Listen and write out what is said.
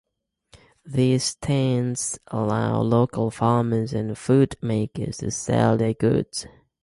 These stands allow local farmers and food makers to sell their goods.